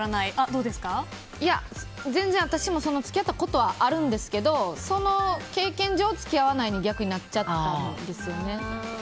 私も付き合ったことはあるんですけどその経験上、付き合わないに逆になっちゃったんですよね。